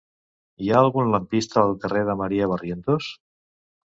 Hi ha algun lampista al carrer de Maria Barrientos?